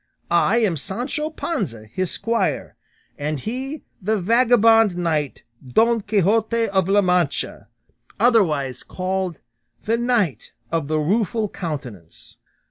I am Sancho Panza, his squire, and he the vagabond knight Don Quixote of La Mancha, otherwise called 'The Knight of the Rueful Countenance.